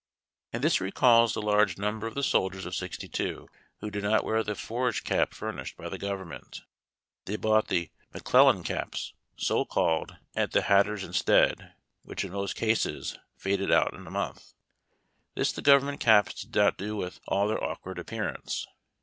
And this recalls the large number of the soldiers of '62 who did not wear the forage cap furnished by the government. They bought the *' McClellan cap," so called, at the hatters' instead, which in most cases faded out in a month. This tlie government caps did not do, with all their awkward appearance.